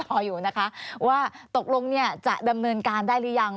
เราก็รออยู่นะคะว่าตกลงจะดำเนินการได้หรือยัง